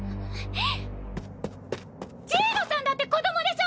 ジイロさんだって子どもでしょ！